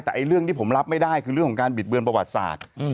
แต่เรื่องที่ผมรับไม่ได้คือเรื่องของการบิดเบือนประวัติศาสตร์